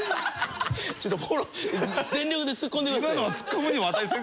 ちょっとフォロー全力でツッコんでください。